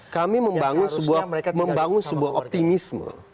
kami membangun sebuah optimisme